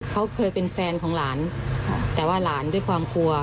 เขาเคยเป็นแฟนของหลานแต่ว่าหลานด้วยความกลัว